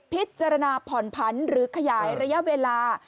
พิจารณาผ่อนผันหรือขยายระยะเวลา